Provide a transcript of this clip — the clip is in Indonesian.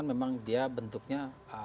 memang dia bentuknya